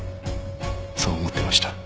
そう思ってました。